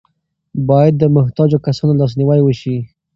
باید د محتاجو کسانو لاسنیوی وشي.